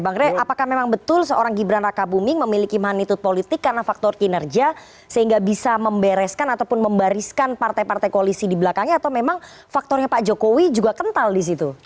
bang rey apakah memang betul seorang gibran raka buming memiliki manitud politik karena faktor kinerja sehingga bisa membereskan ataupun membariskan partai partai koalisi di belakangnya atau memang faktornya pak jokowi juga kental disitu